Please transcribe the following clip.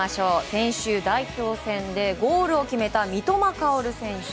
先週、代表戦でゴールを決めた三笘薫選手。